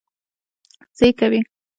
څه يې کوې؟